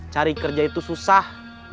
cari kerja itu susah